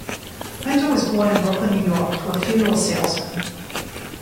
Hunter was born in Brooklyn, New York, to a funeral salesman.